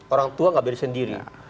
orang tua gak berdiri sendiri